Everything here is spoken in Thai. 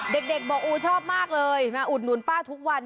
เด็กบอกอู๋ชอบมากเลยมาอุดหนุนป้าทุกวัน